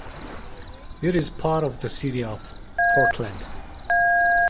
It is part of the City of Portland.